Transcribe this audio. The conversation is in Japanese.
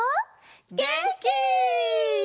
げんき！